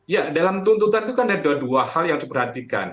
ya dalam tuntutan itu kan ada dua hal yang diperhatikan